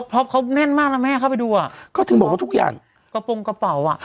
เพราะเขาแน่นมากแล้วแม่เข้าไปดูอ่ะก็ถึงบอกว่าทุกอย่างกระโปรงกระเป๋าอ่ะ